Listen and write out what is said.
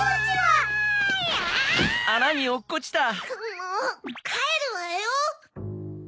もうかえるわよ！